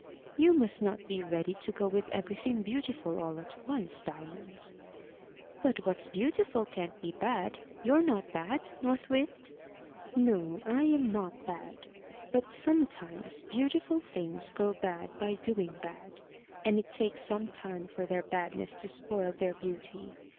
"You must not be ready to go with everything beautiful all at once, Diamond." "But what's beautiful can't be bad. You're not bad, North Wind?" "No; I'm not bad. But sometimes beautiful things grow bad by doing bad, and it takes some time for their badness to spoil their beauty.